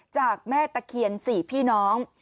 จากแม่ตะเคียน๔พี่น้อง